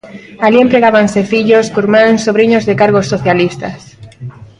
Alí empregábanse fillos, curmáns, sobriños de cargos socialistas.